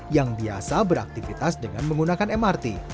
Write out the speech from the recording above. yang biasa beraktivitas dengan menggunakan mrt